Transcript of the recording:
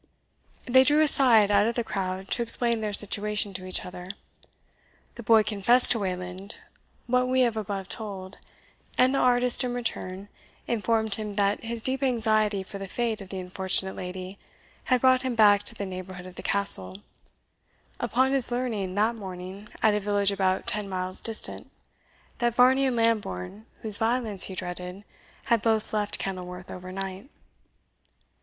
They drew aside out of the crowd to explain their situation to each other. The boy confessed to Wayland what we have above told; and the artist, in return, informed him that his deep anxiety for the fate of the unfortunate lady had brought him back to the neighbourhood of the Castle, upon his learning that morning, at a village about ten miles distant, that Varney and Lambourne, whose violence he dreaded, had both left Kenilworth over night.